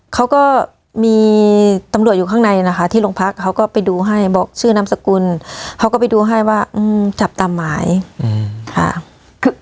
เขาก็มีตำรวจอยู่ข้างในนะคะที่โรงพักเขาก็ไปดูให้บอกชื่อนามสกุลเขาก็ไปดูให้ว่าจับตามหมายค่ะ